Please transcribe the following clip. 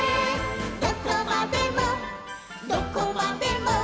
「どこまでもどこまでも」